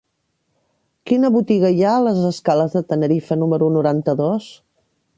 Quina botiga hi ha a les escales de Tenerife número noranta-dos?